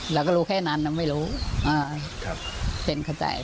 เราก็รู้แค่นั้นน่ะไม่รู้ครับ